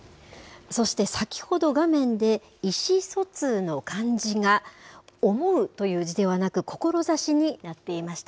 そして先ほど、画面で意思疎通の漢字が思うという字ではなく、志になっていました。